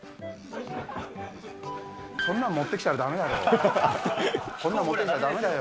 そんなん持ってきたらだめだよ。